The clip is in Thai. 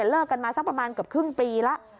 เลิกกันมาสักประมาณเกือบครึ่งปีแล้ว